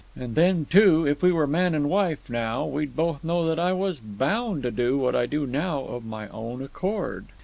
And then, too, if we were man and wife, now, we'd both know that I was bound to do what I do now of my own accord."